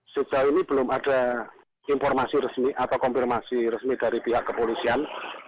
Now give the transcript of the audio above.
sejauh ini belum ada informasi resmi atau konfirmasi resmi dari pihak kepolisian